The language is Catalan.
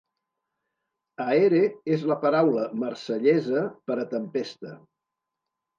"Aere és la paraula marsellesa per a "tempesta".